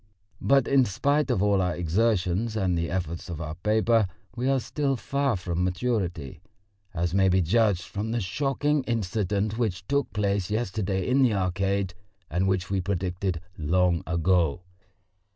But in spite of all our exertions and the efforts of our paper we are still far from maturity, as may be judged from the shocking incident which took place yesterday in the Arcade and which we predicted long ago.